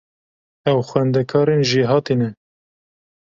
Ew xwendekarên jêhatî ne.